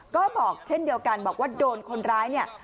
ก็บอกเช่นเดียวกันบอกว่าโดนคนร้ายเนี่ย